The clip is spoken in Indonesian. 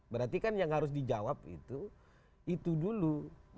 berarti kan yang harus dijawab itu itu dulu